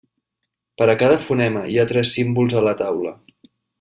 Per a cada fonema hi ha tres símbols a la taula.